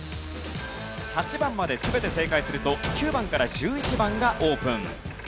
８番まで全て正解すると９番から１１番がオープン。